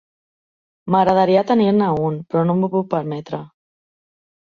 M'agradaria tenir-ne un, però no m'ho puc permetre.